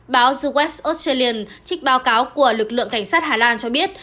báo the west australian trích báo cáo của lực lượng cảnh sát hà lan cho biết